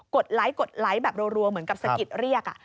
กดไลค์แบบรววเหมือนกับสกิตเรียก